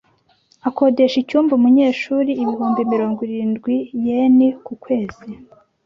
Akodesha icyumba umunyeshuri ibihumbi mirongo irindwi yen ku kwezi.